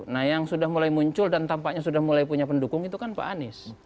nah yang sudah mulai muncul dan tampaknya sudah mulai punya pendukung itu kan pak anies